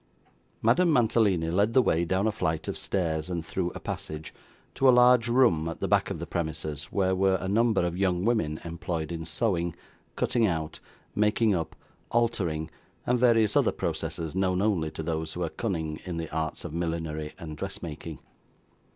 Madame Mantalini led the way down a flight of stairs, and through a passage, to a large room at the back of the premises where were a number of young women employed in sewing, cutting out, making up, altering, and various other processes known only to those who are cunning in the arts of millinery and dressmaking.